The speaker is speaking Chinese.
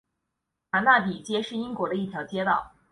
卡纳比街是英国的一条街道。